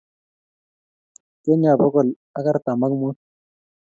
Kenya bogol ak artam ak mut